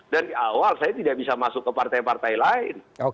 dari awal saya tidak bisa masuk ke partai partai lain